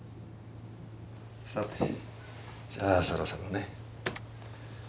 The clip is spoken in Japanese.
さてじゃあそろそろね。